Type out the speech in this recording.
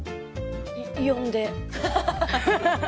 ４で。